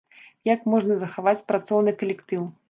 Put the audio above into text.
Як можна захаваць працоўны калектыў?